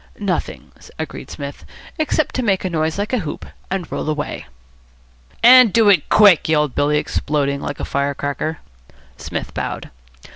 "Nothing," agreed Psmith, "except to make a noise like a hoop and roll away." "And do it quick," yelled Billy, exploding like a fire cracker. Psmith bowed.